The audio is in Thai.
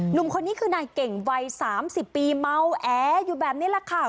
หนุ่มคนนี้คือนายเก่งวัย๓๐ปีเมาแออยู่แบบนี้แหละค่ะ